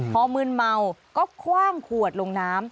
พอมืนเมาก็คว่างขวดลงน้ำ